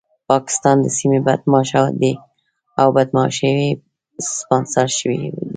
پاکستان د سيمې بدمعاش دی او بدمعاشي يې سپانسر شوې ده.